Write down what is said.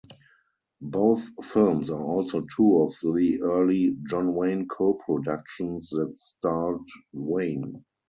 Both films are also two of the early John Wayne co-productions that starred Wayne.